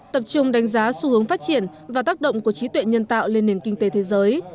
tập trung đánh giá xu hướng phát triển và tác động của trí tuệ nhân tạo lên nền kinh tế thế giới